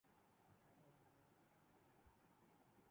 اب بہتری کی امید ہے۔